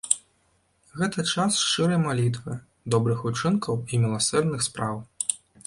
Гэта час шчырай малітвы, добрых учынкаў і міласэрных спраў.